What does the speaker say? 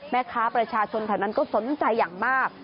แม่ค้าประชาชนแผ่นนั้นก็สนใจอย่างมาก